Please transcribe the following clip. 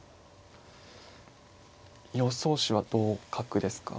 予想手は同角ですか。